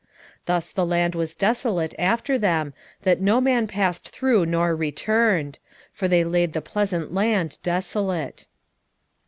Thus the land was desolate after them, that no man passed through nor returned: for they laid the pleasant land desolate.